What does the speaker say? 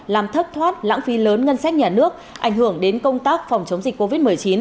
làm thất thoát lãng phí lớn ngân sách nhà nước ảnh hưởng đến công tác phòng chống dịch covid một mươi chín